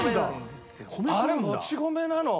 あれもち米なの？